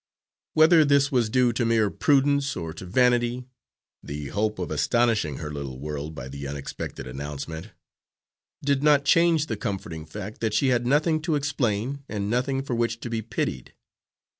Whether this was due to mere prudence or to vanity the hope of astonishing her little world by the unexpected announcement did not change the comforting fact that she had nothing to explain and nothing for which to be pitied.